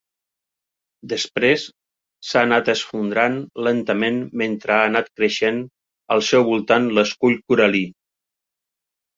Després s'ha anat esfondrant lentament mentre ha anat creixent al seu voltant l'escull coral·lí.